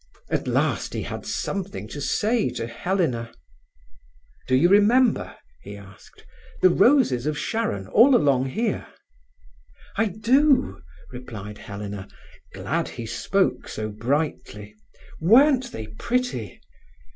At last he had something to say to Helena: "Do you remember," he asked, "the roses of Sharon all along here?" "I do," replied Helena, glad he spoke so brightly. "Weren't they pretty?"